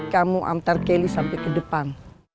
kamu antar kelly sampai ke depan